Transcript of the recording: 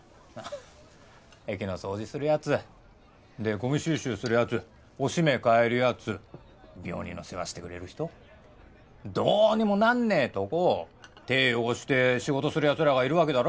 駅の掃除するヤツでゴミ収集するヤツおしめ替えるヤツ病人の世話してくれる人どうにもなんねえとこを手汚して仕事するヤツらがいるわけだろ？